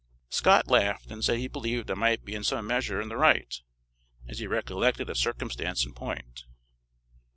Scott laughed, and said he believed I might be in some measure in the right, as he recollected a circumstance in point.